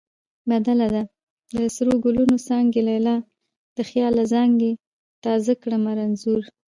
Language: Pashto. بدله ده: د سرو ګلونو څانګې لیلا د خیاله زانګې تا زه کړمه رنځور